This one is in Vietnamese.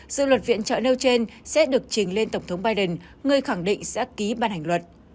dự luật viện trợ nêu trên sẽ được trình lên tổng thống biden người khẳng định sẽ ký ban hành luật